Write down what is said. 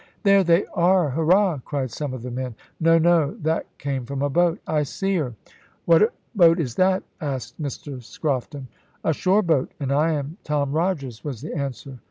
"There they are! hurrah!" cried some of the men. "No, no; that came from a boat. I see her." "What boat is that?" asked Mr Scrofton. "A shore boat, and I am Tom Rogers," was the answer.